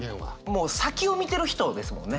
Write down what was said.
もう先を見てる人ですもんね。